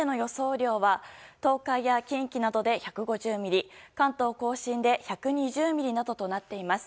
雨量は東海や近畿などで１５０ミリ関東・甲信で１２０ミリなどとなっています。